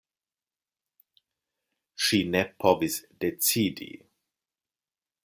Ŝi ne povis decidi.